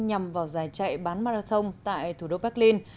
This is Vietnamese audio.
nhằm vào giải chạy bán marathon tại thủ đô berlin